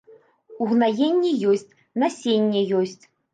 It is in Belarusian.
Угнаенні ёсць, насенне ёсць.